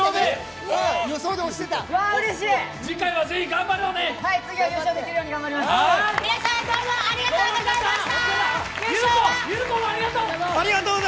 次回はぜひ頑張ろうね皆さんどうもありがとうございました。